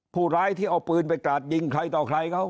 ผู้ร้ายที่เอาปืนไปกราดยิงใครต่อใครเขา